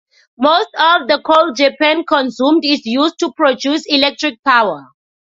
Most of the coal Japan consumed is used to produce electric power.